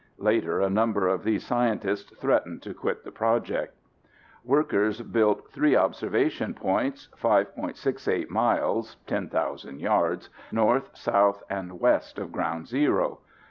" Later a number of these scientists threatened to quit the project. Workers built three observation points 5.68 miles (10,000 yards), north, south, and west of Ground Zero.